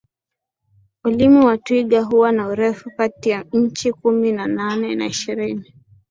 Ulimi wa twiga huwa na urefu kati ya inchi kumi na nane hadi ishirini